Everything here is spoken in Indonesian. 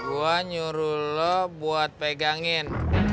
gue nyuruh lo buat pegangin